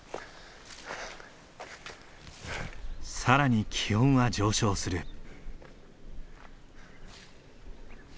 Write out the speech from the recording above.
更に気温は上昇する。